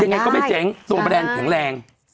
ยังไงก็ไม่เจ๊งตัวแบรนด์แข็งแรง